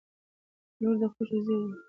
• لور د خوښۍ زېری دی.